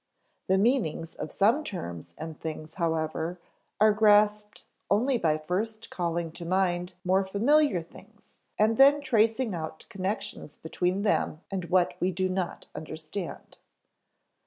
The meanings of some terms and things, however, are grasped only by first calling to mind more familiar things and then tracing out connections between them and what we do not understand.